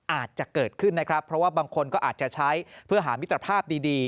อาจจะเกิดขึ้นนะครับเพราะว่าบางคนก็อาจจะใช้เพื่อหามิตรภาพดี